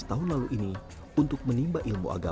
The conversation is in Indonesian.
tahlilan itu biasa